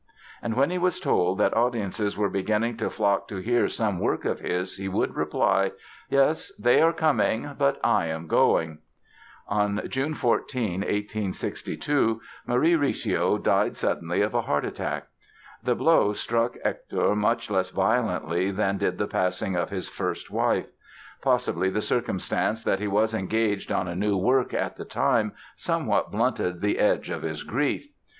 And when he was told that audiences were beginning to flock to hear some work of his he would reply: "Yes, they are coming; but I am going!" On June 14, 1862, Marie Recio died suddenly of a heart attack. The blow struck Hector much less violently than did the passing of his first wife. Possibly the circumstance that he was engaged on a new work at the time somewhat blunted the edge of his grief.